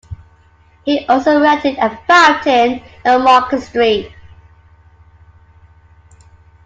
He also erected a fountain in Market Street.